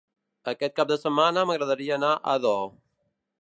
Aquest cap de setmana m'agradaria anar a Ador.